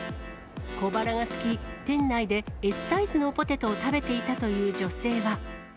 小腹がすき、店内でＳサイズのポテトを食べていたという女性は。